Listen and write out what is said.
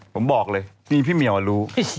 ผมบอกเลยนี่พี่เมียวรู้